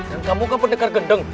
dan kamu kan pendekar gendeng